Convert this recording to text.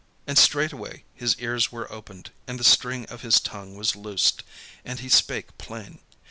And straightway his ears were opened, and the string of his tongue was loosed, and he spake plain.